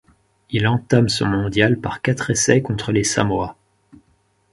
Il entame son mondial par quatre essais contre les Samoa.